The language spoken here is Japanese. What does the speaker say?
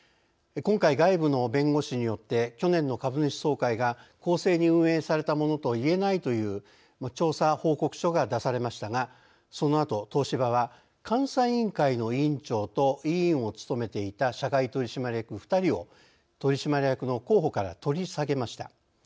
今回、外部の弁護士によって去年の株主総会が公正に運営されたものといえないという調査報告書が出されましたがそのあと、東芝は監査委員会の委員長と委員を務めていた社外取締役２人を取締役の候補から取り下げました。